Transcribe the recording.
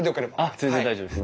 全然大丈夫です。